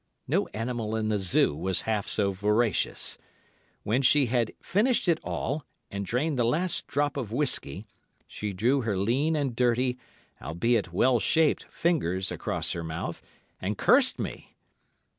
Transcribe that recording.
No animal in the Zoo was half so voracious. When she had finished it all, and drained the last drop of whiskey, she drew her lean and dirty, albeit well shaped, fingers across her mouth, and cursed me.